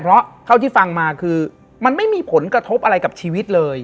เพราะเท่าที่ฟังมาคือมันไม่มีผลกระทบอะไรกับชีวิตเลย